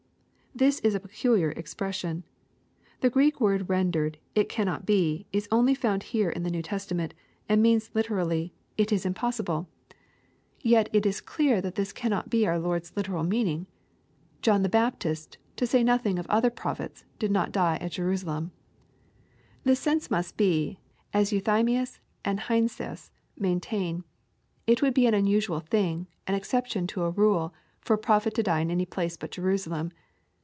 '] This is a peculiar expression. The Greek word rendered " it cannot be," is only found here in the New Testament, and means literally " it is im 144 EXrOSITOBY THOUGHTS. possible." Yet it is clear that this cannot be our Lord's literal meaning. John the Baptist, to say nothing of other prophets, did not die at Jerusalem. Tlie sense must be, as Euthymius and Heinsius maintain, '* it would be an unusual thing, — an exception to a rule, — ^for a prophet to die in any place but Jerusalem.